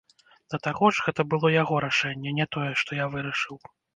Да таго ж, гэта было яго рашэнне, не тое, што я вырашыў.